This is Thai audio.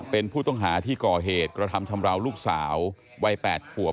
เป็นผู้ต้องหาที่ก่อเหตุกระทำชำราวลูกสาววัย๘ขวบ